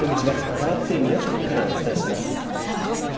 かわって宮崎からお伝えします。